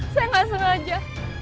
saya nggak sengaja